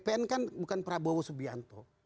bpn kan bukan prabowo subianto